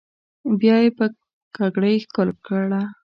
بيا يې پر ککرۍ ښکل کړه.